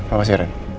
apa sih ren